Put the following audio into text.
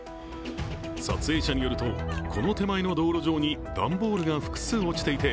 撮影者によると、この手前の道路上に段ボールが複数落ちていて